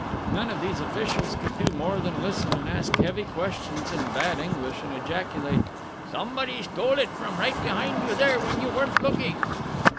None of these officials could do more than listen and ask heavy questions in bad English and ejaculate, "Somebody stole it from right behind you there when you weren't looking."